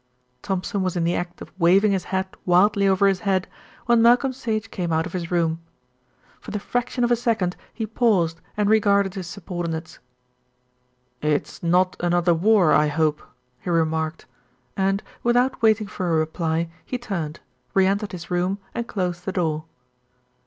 Thompson was in the act of waving his hat wildly over his head when Malcolm Sage came out of his room. For the fraction of a second he paused and regarded his subordinates. "It's not another war, I hope," he remarked, and, without waiting for a reply, he turned, re entered his room and closed the door.